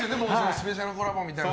スペシャルコラボみたいな。